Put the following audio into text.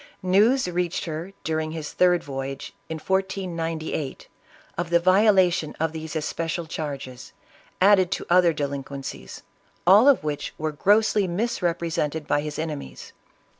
News reached her during his third voyage, in 1498, of the violation of these especial charges, added to other delinquencies, all of which were grossly misrep resented by his enemies.